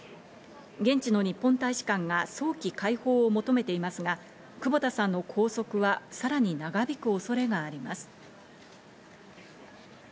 現地の日本大使館が早期解放を求めていますが、久保田さんの拘束はさらに長引く恐れがあります。